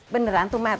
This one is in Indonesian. beneran tuh matt